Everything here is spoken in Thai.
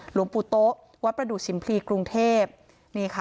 หลวงปู่โต๊ะวัดประดูกชิมพรีกรุงเทพนี่ค่ะ